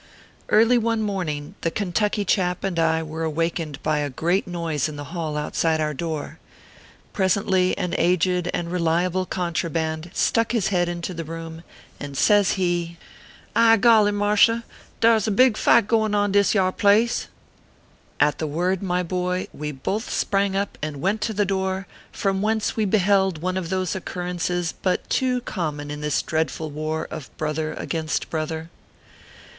Early one morning, the Kentucky chap and I were awakened by a great noise in the hall outside our door. Presently an aged and reliable contraband stuck his head into the room, and says hr* : 364 ORPHEUS C. KERR PAPERS. "I golly, mars r, dar s a big fight goin on in dis yar place/ At the word, my boy, we both sprang up and went to the door, from whence we beheld one of those oc currences but too common in this dreadful war of brother against brother.